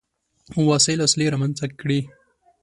وسايل او اسلحې رامنځته کړې.